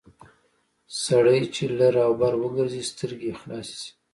سړی چې لر او بر وګرځي سترګې یې خلاصې شي...